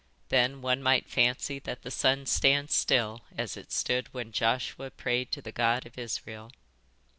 Then one might fancy that the sun stands still as it stood when Joshua prayed to the God of Israel."